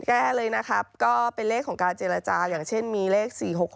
แก้เลยนะครับก็เป็นเลขของการเจรจาอย่างเช่นมีเลข๔๖๖